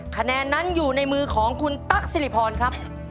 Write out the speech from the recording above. คะแนนนั้นอยู่ในมือของคุณตั๊กสิริพรครับ